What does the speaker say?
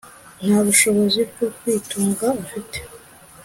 nta bushobozi bwo kwitunga afite